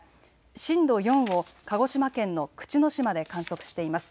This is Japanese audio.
震度４を鹿児島県の口之島で観測しています。